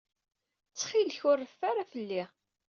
Ttxil-k, ur reffu ara fell-i.